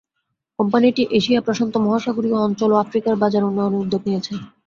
কোম্পানিটি এশিয়া প্রশান্ত মহাসাগরীয় অঞ্চল ও আফ্রিকায় বাজার উন্নয়নে উদ্যোগ নিয়েছে।